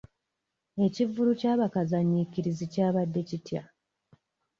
Ekivvulu kya bakazanyiikirizi kyabadde kitya?